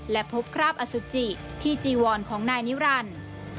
และพบคราบอสุจิที่จีวอนของนายนิรันดิ์